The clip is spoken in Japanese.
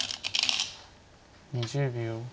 ２０秒。